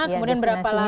ya destinasi nya